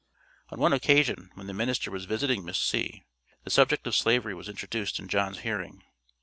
On one occasion, when the minister was visiting Miss C., the subject of Slavery was introduced in John's hearing.